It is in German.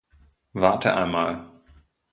Warte einmal.